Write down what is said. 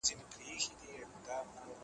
پر اوږو یې ټکاوه ورته ګویا سو